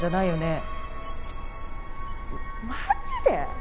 マジで？